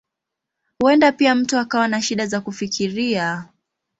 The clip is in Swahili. Huenda pia mtu akawa na shida za kufikiria.